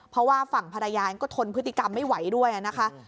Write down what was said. เพราะว่าฝั่งภรรยาก็ทนพฤติกรรมไม่ไหวด้วยนะคะ